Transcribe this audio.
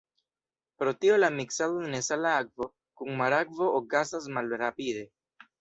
Pro tio la miksado de nesala akvo kun marakvo okazas malrapide.